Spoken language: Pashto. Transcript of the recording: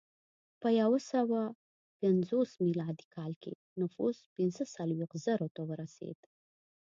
په یو سوه پنځوس میلادي کال کې نفوس پنځه څلوېښت زرو ته ورسېد